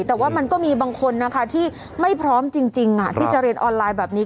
แต่ว่ามันก็มีบางคนนะคะที่ไม่พร้อมจริงที่จะเรียนออนไลน์แบบนี้